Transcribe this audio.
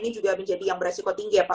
ini juga menjadi yang beresiko tinggi ya pak